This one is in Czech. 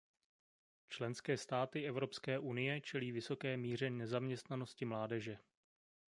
Členské státy Evropské unie čelí vysoké míře nezaměstnanosti mládeže.